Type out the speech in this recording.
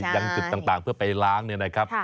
ยังจุดต่างเพื่อไปล้างเนี่ยนะครับ